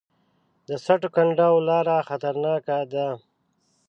د سټو کنډو لاره خطرناکه ده